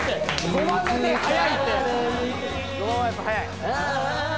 ５番はやっぱ早い。